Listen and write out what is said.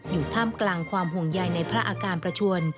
ท่ามกลางความห่วงใยในพระอาการประชวน